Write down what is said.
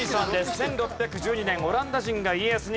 １６１２年オランダ人が家康に献上。